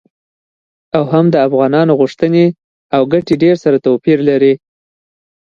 او هم د افغانانو غوښتنې او ګټې ډیر سره توپیر لري.